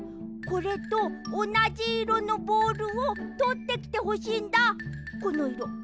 これとおなじいろのボールをとってきてほしいんだ！